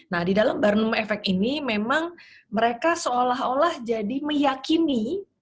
nah di dalam barnome effect ini memang mereka seolah olah jadi meyakini